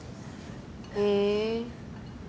へえ。